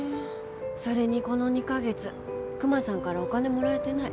それにこの２か月クマさんからお金もらえてない。